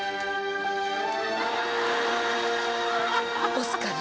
オスカル